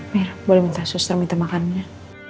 biar boleh minta suster minta makan ya